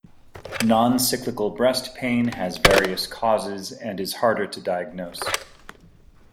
Noncyclical breast pain has various causes and is harder to diagnose.